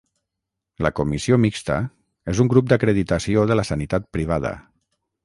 La Comissió mixta és un grup d'acreditació de la sanitat privada.